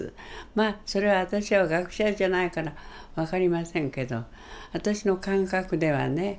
まあそれは私は学者じゃないから分かりませんけど私の感覚ではね。